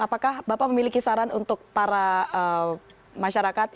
apakah bapak memiliki saran untuk para masyarakat